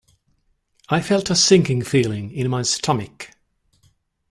I felt a sinking feeling in my stomach.